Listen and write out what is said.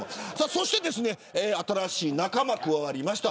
そして新しい仲間が加わりました。